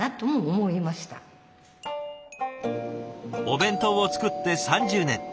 お弁当を作って３０年。